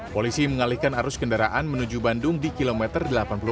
polisi mengalihkan arus kendaraan menuju bandung di kilometer delapan puluh delapan